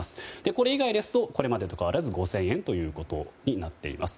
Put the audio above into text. これ以外ですとこれまでと変わらず５０００円となっています。